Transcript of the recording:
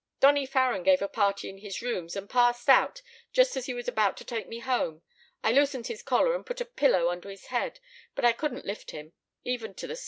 "Donny Farren gave a party in his rooms and passed out just as he was about to take me home. I loosened his collar and put a pillow under his head, but I couldn't lift him, even to the sofa.